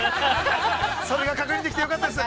◆それが確認できてよかったです。